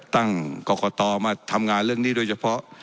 ตั้งกรกตมาทำงานเรื่องนี้โดยเฉพาะ